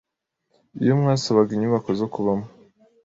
iyo mwasabaga inyubako zo kubamo